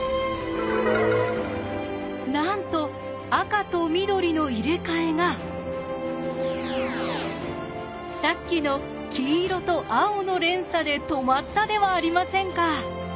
なんと赤と緑の入れ替えがさっきの黄色と青の連鎖で止まったではありませんか。